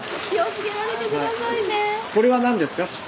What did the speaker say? これは何ですか？